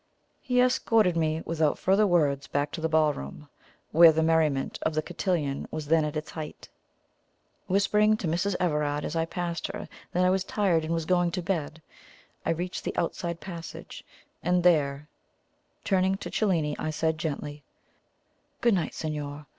He escorted me without further words back to the ballroom, where the merriment of the cotillon was then at its height. Whispering to Mrs. Everard as I passed her that I was tired and was going to bed, I reached the outside passage, and there, turning to Cellini, I said gently: "Good night, signor.